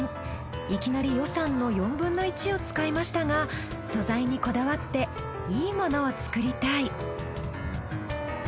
いきなり予算の４分の１を使いましたが素材にこだわっていいものを作りたい。